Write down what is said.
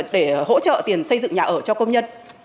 để hỗ trợ tiền xây dựng nhà ở cho công nhân